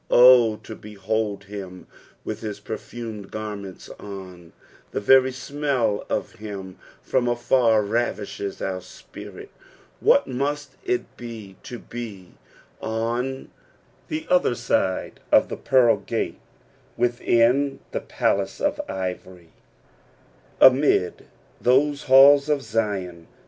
Oh, to behold him with his perfumed ^mentson i The Tery smell of him from afar ravishes our spirit, what must it be to lie on the other side of the pearl gate, within the pslaee of ivory, amid those halls of Zioo.